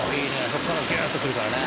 そこからビューッとくるからね。